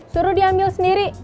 suruh diambil sendiri